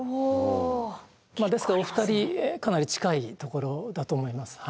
ですからお二人かなり近いところだと思います。